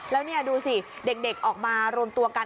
แล้วนี่ดูสิเด็กออกมารวมตัวกัน